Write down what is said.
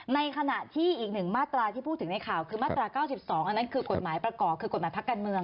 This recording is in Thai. ในขณะที่อีกหนึ่งมาตราที่พูดถึงในข่าวคือมาตรา๙๒อันนั้นคือกฎหมายประกอบคือกฎหมายพักการเมือง